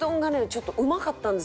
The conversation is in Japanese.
ちょっとうまかったんですよ